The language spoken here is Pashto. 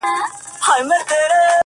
ما خو پخوا مـسـته شــاعـــري كول؛